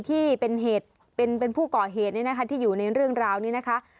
ที่เป็นผู้ก่อเหตุที่อยู่ในเรื่องราวนี้นะคะ